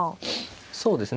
そうですね。